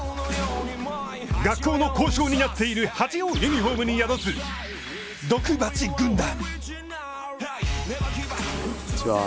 学校の校章になっている蜂をユニホームに宿す、毒蜂軍団。